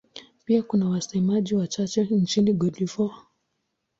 Pia kuna wasemaji wachache nchini Cote d'Ivoire.